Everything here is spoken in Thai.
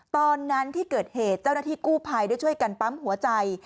ตอนนั้นที่เกิดเหตุเจ้าหน้าที่กู้ภัยได้ช่วยกันปั๊มหัวใจ